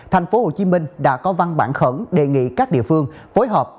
thành phố hồ chí minh đã có văn bản khẩn đề nghị các địa phương phối hợp